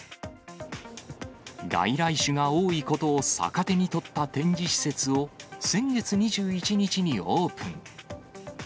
外来種が多いことを逆手に取った展示施設を、先月２１日にオープン。